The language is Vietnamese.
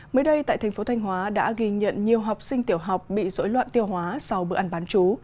mới đây tại thành phố thanh hóa đã ghi nhận nhiều học sinh tiểu học bị rối loạn tiêu hóa sau bữa ăn bán chú